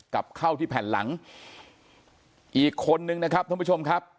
กลับเข้าที่แผ่นหลังอีกคนนึงนะครับท่านผู้ชมครับ